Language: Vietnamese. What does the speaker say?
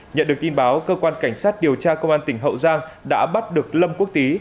nhận được tin báo cơ quan cảnh sát điều tra công an tỉnh hậu giang đã bắt được lâm quốc tý